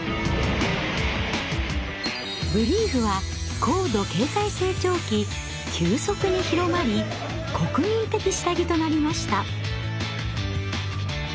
ブリーフは高度経済成長期急速に広まり国民的下着となりました。